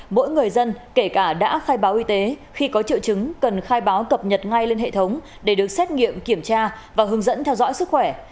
mỗi người dân kể cả đã khai báo y tế khi có triệu chứng cần khai báo cập nhật ngay lên hệ thống để được xét nghiệm kiểm tra và hướng dẫn theo dõi sức khỏe